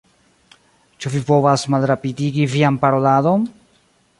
Ĉu vi povas malrapidigi vian paroladon?